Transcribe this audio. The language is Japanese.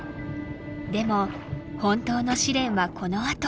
でも本当の試練はこのあと。